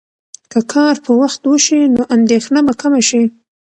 که کار په وخت وشي، نو اندېښنه به کمه شي.